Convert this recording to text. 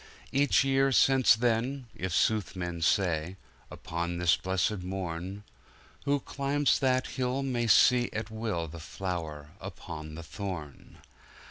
Each year since then (if sooth men say) Upon this Blessed Morn, Who climbs that Hill, may see at will The flower upon the thorn!